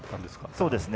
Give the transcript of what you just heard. そうですね。